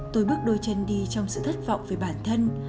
tôi bước đôi chân đi trong sự thất vọng về bản thân